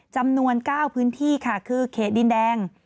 จำนวน๙พื้นที่ค่ะคือเขตดินแดง